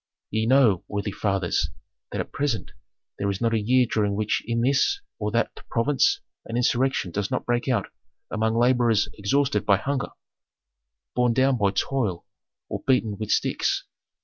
"Ye know, worthy fathers, that at present there is not a year during which in this or that province an insurrection does not break out among laborers exhausted by hunger, borne down by toil, or beaten with sticks.